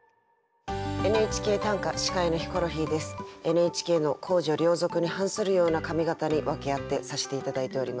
ＮＨＫの公序良俗に反するような髪形に訳あってさせて頂いております。